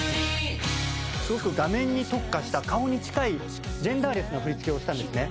すごく画面に特化した顔に近いジェンダーレスな振付をしたんですね。